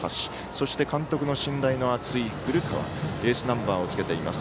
そして、監督の信頼の厚い古川、エースナンバーをつけています。